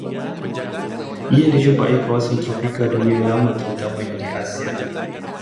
Ia dijumpai kawasan tropika Dunia Lama terutamanya di Asia